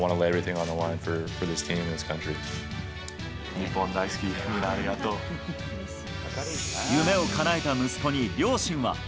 日本大好き、みんなありがと夢をかなえた息子に両親は。